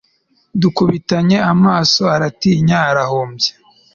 dukubitanye amaso aratinya arahumbya